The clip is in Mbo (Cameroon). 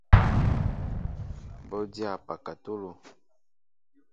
Bɔ dyá pakatolo.